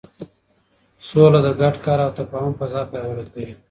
سوله د ګډ کار او تفاهم فضا پیاوړې کوي.